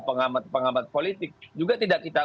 pengamat pengamat politik juga tidak kita